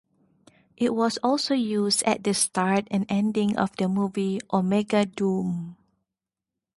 It was also used at the start and ending of the movie "Omega Doom".